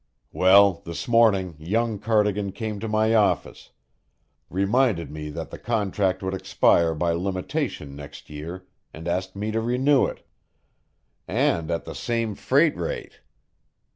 "Well, this morning young Cardigan came to my office, reminded me that the contract would expire by limitation next year and asked me to renew it, and at the same freight rate.